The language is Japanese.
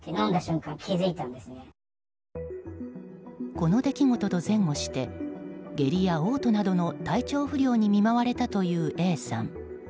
この出来事と前後して下痢やおう吐などの体調不良に見舞われたというＡさん。